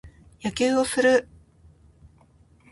野球をする。